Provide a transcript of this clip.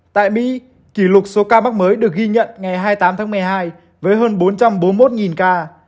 tại mỹ kỷ lục số ca mắc mới được ghi nhận ngày hai mươi tám tháng một mươi hai với hơn bốn trăm bốn mươi một ca